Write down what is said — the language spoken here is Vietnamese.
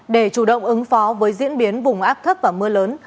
để chủ động ứng phó với diễn biến vùng áp thấp và mưa lớn